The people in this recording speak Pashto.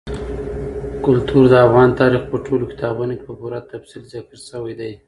کلتور د افغان تاریخ په ټولو کتابونو کې په پوره تفصیل ذکر شوی دي.